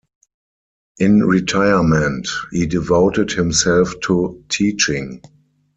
In retirement, he devoted himself to teaching.